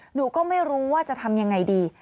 หนูก็ไม่รู้ว่าจะทำยังไงดี